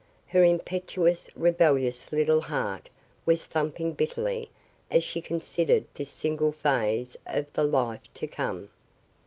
Her impetuous, rebellious little heart was thumping bitterly as she considered this single phase of the life to come.